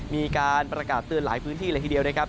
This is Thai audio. มีการประกาศเตือนหลายพื้นที่เลยทีเดียวนะครับ